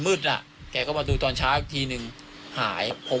พี่เต้พูดทำได้ก็